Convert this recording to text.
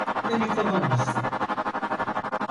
Beni kovamazsın.